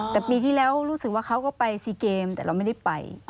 แต่ปีที่แล้วรู้สึกว่าเขาก็ไปซีเกมแต่เราไม่ได้ไป